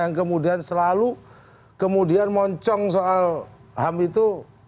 yang kemudian selalu kemudian moncong soal ham itu